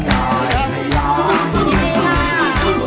ไม่แย่ไม่แย่ไม่แย่ไม่แย่